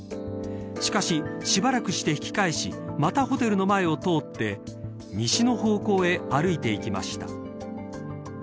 しかし、しばらくして引き返しまたホテルの前を通って西の方向へ歩いて行きました。